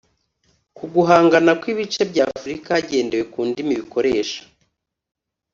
Ku guhangana kw’ibice bya Afurika hagendewe ku ndimi bikoresha